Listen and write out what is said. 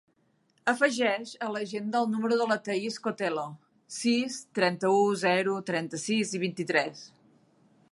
Afegeix a l'agenda el número de la Thaís Cotelo: sis, trenta-u, zero, trenta-sis, vint-i-tres.